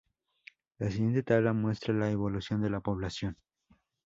La siguiente tabla muestra la evolución de la población.